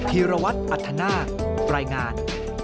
ฮิรวัตน์อัธนาปรายงาน